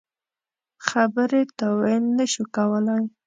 خبرې تاویل نه شو کولای.